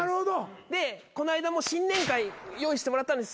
でこないだも新年会用意してもらったんです。